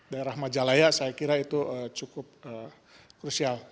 daerah majalaya saya kira itu cukup krusial